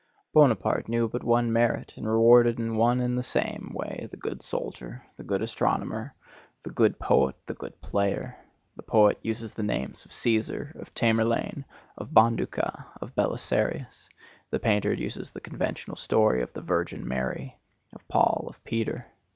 Bonaparte knew but one merit, and rewarded in one and the same way the good soldier, the good astronomer, the good poet, the good player. The poet uses the names of Cæsar, of Tamerlane, of Bonduca, of Belisarius; the painter uses the conventional story of the Virgin Mary, of Paul, of Peter.